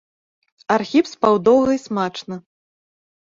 Архіп спаў доўга і смачна.